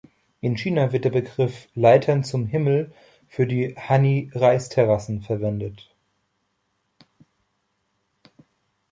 In China wird der Begriff "Leitern zum Himmel" für die Hani Reisterrassen verwendet.